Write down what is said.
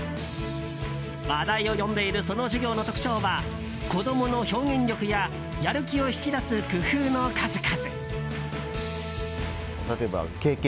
話題を呼んでいるその授業の特徴は子供の表現力ややる気を引き出す工夫の数々。